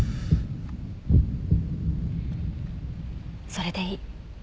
それでいい。